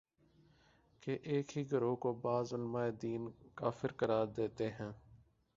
کہ ایک ہی گروہ کو بعض علماے دین کافر قرار دیتے ہیں